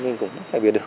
mình cũng phải biết được